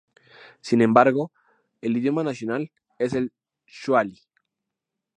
Sin embargo, el idioma nacional es el Swahili.